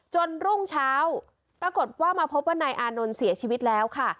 รุ่งเช้าปรากฏว่ามาพบว่านายอานนท์เสียชีวิตแล้วค่ะ